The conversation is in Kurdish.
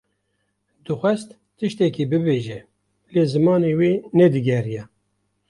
Dixwest tiştekî bibêje; lê zimanê wê ne digeriya.